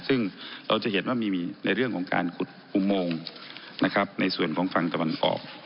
ซึ่งเราจะเห็นว่ามีในเรื่องของการขุดอุโมงนะครับในส่วนของฝั่งตะวันออก